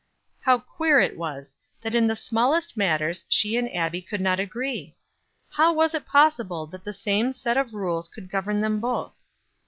How queer it was that in the smallest matters she and Abbie could not agree? How was it possible that the same set of rules could govern them both?